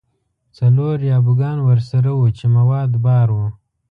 څلور یا بوګان ورسره وو چې مواد بار وو.